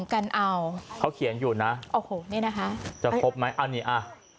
เค้าเขียนอยู่นะ